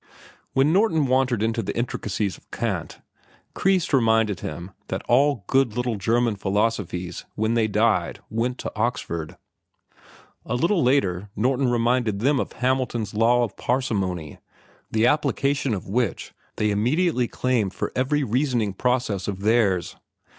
When Norton wandered into the intricacies of Kant, Kreis reminded him that all good little German philosophies when they died went to Oxford. A little later Norton reminded them of Hamilton's Law of Parsimony, the application of which they immediately claimed for every reasoning process of theirs.